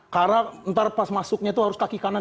karena ntar pas masuknya itu harus kaki kanan